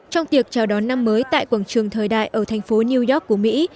trong việc chào đón năm mới tại quảng trường thời đại ở thành phố new york của mỹ